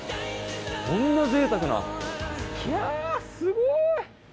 こんなぜいたくなきゃすごい！